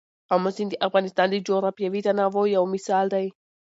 آمو سیند د افغانستان د جغرافیوي تنوع یو مثال دی.